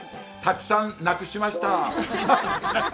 たくさん亡くしました。